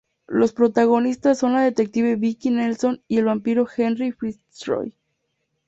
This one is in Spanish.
Los protagonistas son la detective Vicki Nelson y el vampiro Henry Fitzroy.